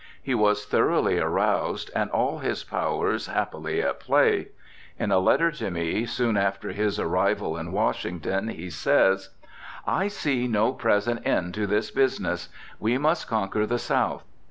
He was thoroughly aroused, and all his powers happily at play. In a letter to me soon after his arrival in Washington, he says, "I see no present end of this business. We must conquer the South.